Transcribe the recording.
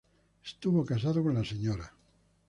Estuvo casado con la Sra.